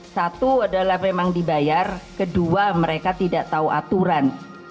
satu adalah memang dibayar kedua mereka tidak tahu aturan